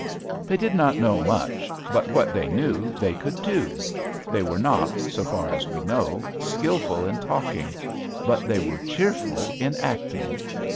They did not know much. But what they knew they could do. They were not, so far as we know, skilful in talking. But they were cheerful in acting.